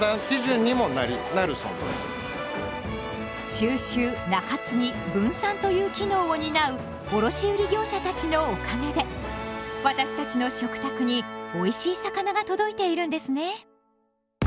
収集・仲継・分散という機能を担う卸売業者たちのおかげで私たちの食卓においしい魚が届いているんですね。